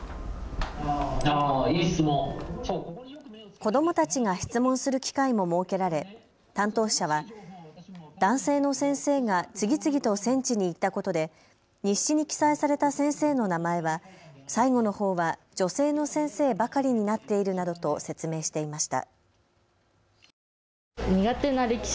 子どもたちが質問する機会も設けられ、担当者は男性の先生が次々と戦地に行ったことで日誌に記載された先生の名前は最後のほうは女性の先生ばかりになっているなどと説明していました。